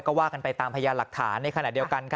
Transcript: ก็ว่ากันไปตามพยานหลักฐานในขณะเดียวกัน